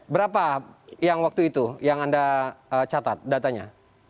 berapa yang waktu itu yang anda catat datanya